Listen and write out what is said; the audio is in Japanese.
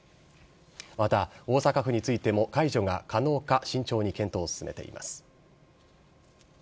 また大阪府についても解除が可能か、慎重に検討を進めています。